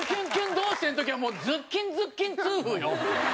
どうして」の時はもうズッキンズッキン痛風よ。